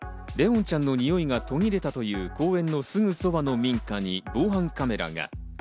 怜音ちゃんのにおいが途切れたという公園のすぐそばの民家に防犯カメラが。